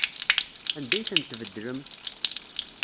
Anda ay tent-tbeddlem?